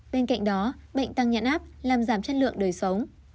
bên cạnh đó bệnh tăng nhãn áp làm giảm chất lượng đời sống